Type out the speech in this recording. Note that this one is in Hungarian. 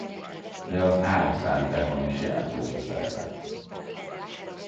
De az áruszállításban is jelentős a szerepe.